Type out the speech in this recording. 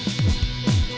tujuh dua bulan